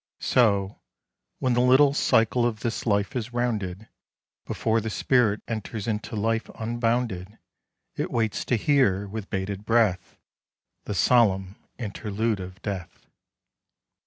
So, when the little cycle of this life is rounded, Before the spirit enters into life unbounded, It waits to hear, with bated breath, The solemn interlude of death.